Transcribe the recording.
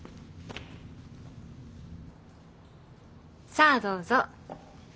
さあどうぞ。